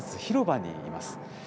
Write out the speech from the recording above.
広場にいます。